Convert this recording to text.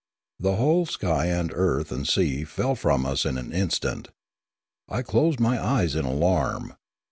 The whole sky and earth and sea fell from us in an instant. I closed my eyes in alarm.